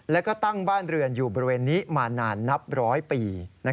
แล้วก็ตั้งบ้านเรือนอยู่บริเวณนี้มานานนับร้อยปี